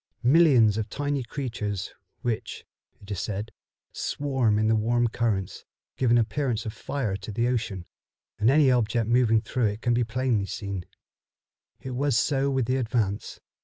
Millions of tiny creatures, which, it is said, swarm in the warm currents, give an appearance of fire to the ocean, and any object moving through it can plainly be seen. It was so with the Advance.